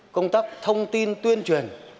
công tác thông tin tuyên truyền